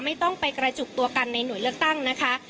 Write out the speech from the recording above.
ไม่ต้องไปกระจุกตัวกันในหน่วยเลือกตั้งนะคะ